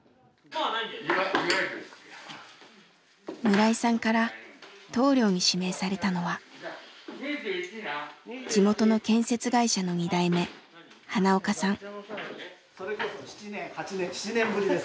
村井さんから棟梁に指名されたのは地元の建設会社の２代目花岡さん。